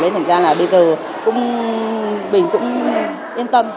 nên thành ra là bây giờ mình cũng yên tâm